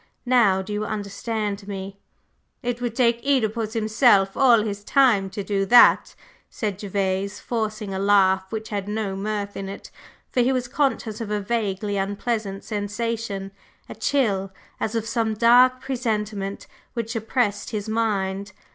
Now, do you understand me?" "It would take Œdipus himself all his time to do that," said Gervase, forcing a laugh which had no mirth in it, for he was conscious of a vaguely unpleasant sensation a chill, as of some dark presentiment, which oppressed his mind.